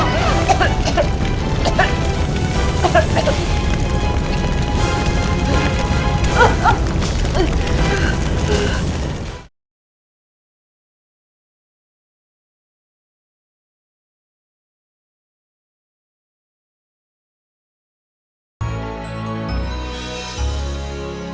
nih di situ